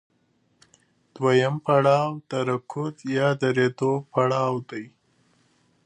دویم پړاو د رکود یا درېدو پړاو دی